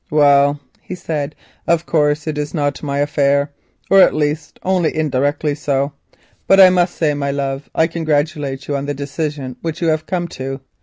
"Well," he said, "of course it is not my affair, or at least only indirectly so, but I must say, my love, I congratulate you on the decision which you have come to.